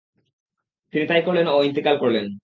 তিনি তাই করলেন ও ইন্তিকাল করলেন।